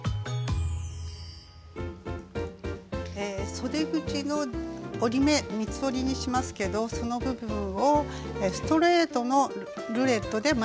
そで口の折り目三つ折りにしますけどその部分をストレートのルレットで前もって折り目をつけておきます。